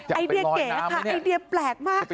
ไอเดียเก๋ค่ะไอเดียแปลกมาก